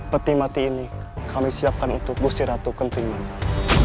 peti mati ini kami siapkan untuk gusti ratu kentrimanik